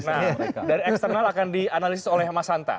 nah dari eksternal akan dianalisis oleh mas hanta